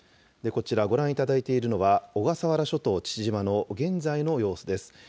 こちら、ご覧いただいているのは小笠原諸島父島の現在の様子です。